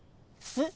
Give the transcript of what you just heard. えっ。